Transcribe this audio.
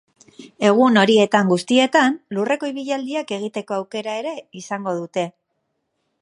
Egun horietan guztietan, lurreko ibilaldiak egiteko aukera ere izango dute.